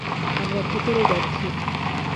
আমরা ভেতরে যাচ্ছি।